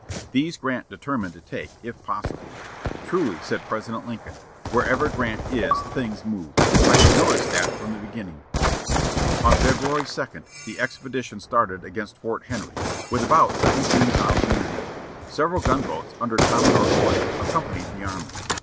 These Grant determined to take, if possible. Truly said President Lincoln, "Wherever Grant is things move. I have noticed that from the beginning." On February 2 the expedition started against Fort Henry, with about seventeen thousand men. Several gun boats, under Commodore Foote, accompanied the army.